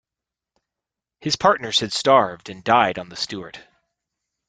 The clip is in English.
His partners had starved and died on the Stewart.